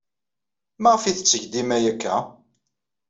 Maɣef ay tetteg dima aya akka?